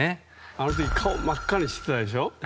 あの時顔を真っ赤にしてたでしょ。